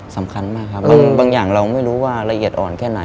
สำคัญมากครับบางอย่างเราไม่รู้ว่าละเอียดอ่อนแค่ไหน